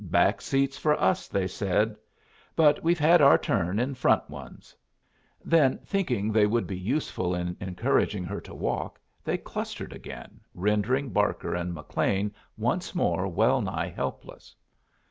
"Back seats for us," they said. "But we've had our turn in front ones." Then, thinking they would be useful in encouraging her to walk, they clustered again, rendering Barker and McLean once more well nigh helpless.